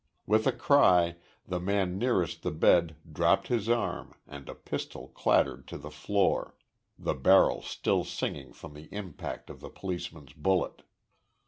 With a cry, the man nearest the bed dropped his arm and a pistol clattered to the floor the barrel still singing from the impact of the policeman's bullet.